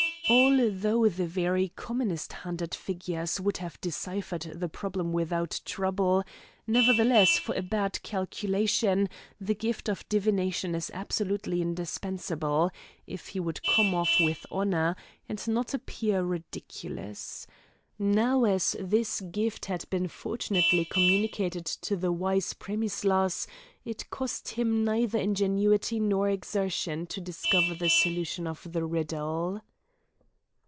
Although the very commonest hand at figures, would have deciphered the problem without trouble; nevertheless, for a bad calculation the gift of divination is absolutely indispensable, if he would come off with honour, and not appear ridiculous. Now as this gift had been fortunately communicated to the wise Premislas, it cost him neither ingenuity nor exertion to discover the solution of the riddle.